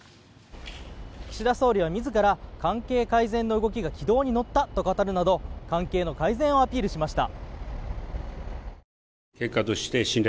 岸田総理は自ら関係改善の動きが軌道に乗ったと語るなど関係の改善をアピールしました。